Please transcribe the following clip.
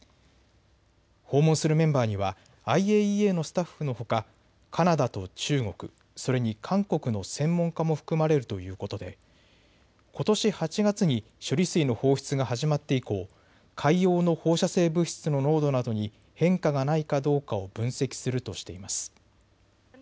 訪問するメンバーにはＩＡＥＡのスタッフのほかカナダと中国、それに韓国の専門家も含まれるということでことし８月に処理水の放出が始まって以降、海洋の放射性物質の濃度などに変化がないかどうかを分析するとしています。